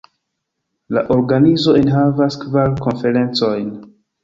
La organizo enhavas kvar konferencojn.